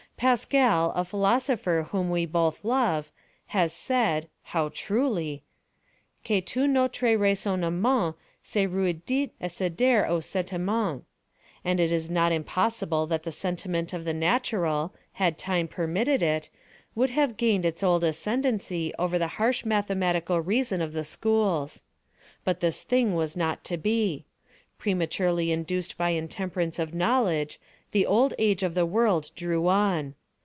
{*1} Pascal, a philosopher whom we both love, has said, how truly!—"que tout notre raisonnement se rèduit à céder au sentiment;" and it is not impossible that the sentiment of the natural, had time permitted it, would have regained its old ascendancy over the harsh mathematical reason of the schools. But this thing was not to be. Prematurely induced by intemperance of knowledge the old age of the world drew on.